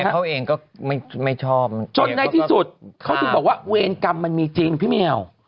เขาเองก็ไม่ชอบจนในที่สุดเขาถึงบอกว่าเวรกรรมมันมีจริงพี่แมว